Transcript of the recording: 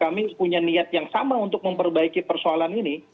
kami punya niat yang sama untuk memperbaiki persoalan ini